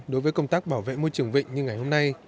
đối với công tác bảo vệ môi trường vịnh như ngày hôm nay